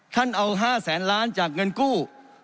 ท่านเอา๕แสนล้านจากเงินกู้